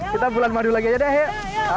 kita bulan madu lagi aja deh